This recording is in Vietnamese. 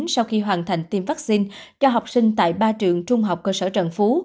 sau khi hoàn thành tiêm vaccine cho học sinh tại ba trường trung học cơ sở trần phú